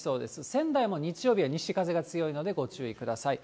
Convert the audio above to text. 仙台も日曜日は西風が強いのでご注意ください。